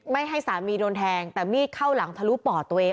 ไม่ให้สามีโดนแทงแต่มีดเข้าหลังทะลุปอดตัวเอง